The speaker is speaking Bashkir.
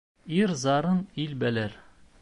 Ир зарын ил белер.